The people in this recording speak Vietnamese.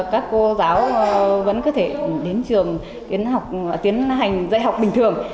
các cô giáo vẫn có thể đến trường tiến hành dạy học bình thường